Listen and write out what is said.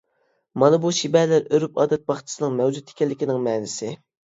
مانا بۇ شىبەلەر ئۆرپ-ئادەت باغچىسىنىڭ مەۋجۇت ئىكەنلىكىنىڭ مەنىسى.